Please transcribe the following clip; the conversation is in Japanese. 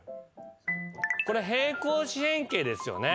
これ平行四辺形ですよね。